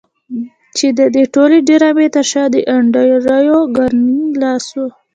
چې د دې ټولې ډرامې تر شا د انډريو کارنګي لاس و.